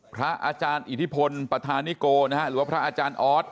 พระอาจารย์อิทธิพลประธานิโกนะฮะหรือว่าพระอาจารย์ออส